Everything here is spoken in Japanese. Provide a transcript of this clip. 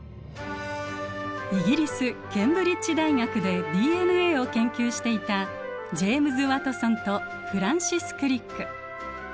イギリスケンブリッジ大学でＤＮＡを研究していたジェームズ・ワトソンとフランシス・クリック。